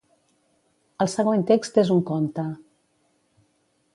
El següent text és un conte.